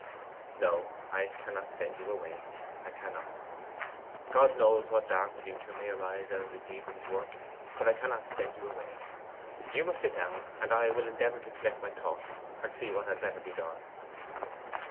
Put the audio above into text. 'No, I cannot send you away: I cannot. God knows what dark future may arise out of this evening's work; but I cannot send you away! You must sit down, and I will endeavour to collect my thoughts and see what had better be done.